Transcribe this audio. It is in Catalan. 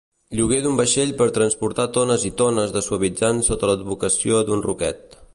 Lloguer d'un vaixell per transportar tones i tones de suavitzant sota l'advocació d'un ruquet.